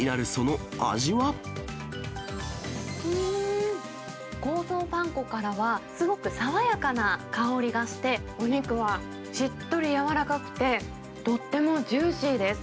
うーん、香草パン粉からは、すごく爽やかな香りがして、お肉はしっとり柔らかくて、とってもジューシーです。